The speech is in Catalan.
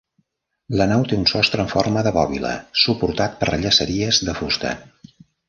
La nau té un sostre amb forma de bòbila suportat per llaceries de fusta.